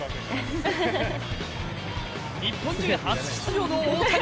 日本人初出場の大谷。